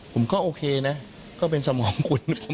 ผมก็โอเคนะก็เป็นสมองของคุณ